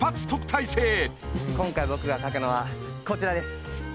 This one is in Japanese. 今回僕が描くのはこちらです。